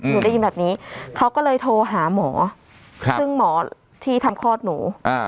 ได้ยินแบบนี้เขาก็เลยโทรหาหมอซึ่งหมอที่ทำคลอดหนู